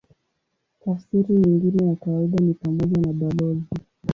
Tafsiri nyingine ya kawaida ni pamoja na balozi.